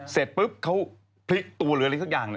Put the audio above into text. เสร็จปุ๊บเขาพลิกตัวหรืออะไรสักอย่าง